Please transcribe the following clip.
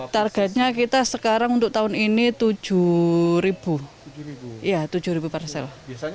targetnya kita sekarang untuk tahun ini tujuh parsel